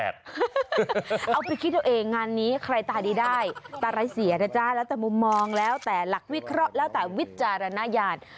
เอาไปคิดเอาเองงานนี้ใครตาดีได้ตาไร้เสียนะจ๊ะแล้วแต่มุมมองแล้วแต่หลักวิเคราะห์แล้วแต่วิจารณญาณ